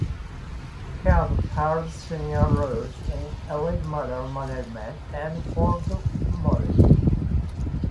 He has held senior roles in Elite Model Management and Ford Models.